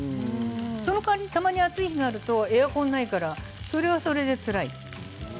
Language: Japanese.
その代わりたまに暑い日があるとエアコンがないからそれはそれでつらい。